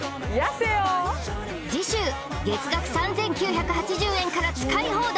次週月額３９８０円から使い放題